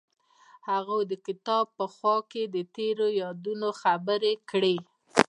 هغوی د کتاب په خوا کې تیرو یادونو خبرې کړې.